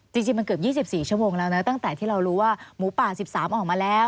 จริงมันเกิด๒๔ชั่วโมงนะตั้งแต่ที่เรารู้กิจสิบสามออกมาแล้โลว